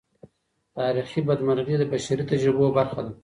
تاریخي بدمرغۍ د بشري تجربو برخه ده.